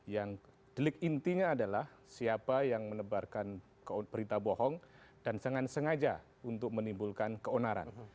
yang delik intinya adalah siapa yang menebarkan berita bohong dan sengaja untuk menimbulkan keonaran